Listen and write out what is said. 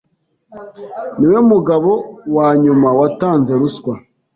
Niwe mugabo wanyuma watanze ruswa.